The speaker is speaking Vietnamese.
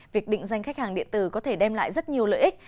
việc định danh khách hàng điện tử có thể đem lại rất nhiều lợi ích